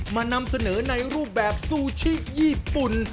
นำเสนอในรูปแบบซูชิญี่ปุ่น